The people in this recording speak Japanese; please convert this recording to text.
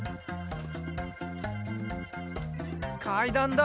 かいだんだ。